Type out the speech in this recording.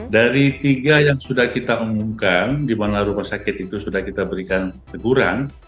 dari tiga yang sudah kita umumkan di mana rumah sakit itu sudah kita berikan teguran